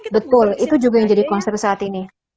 betul itu juga yang jadi concern saat ini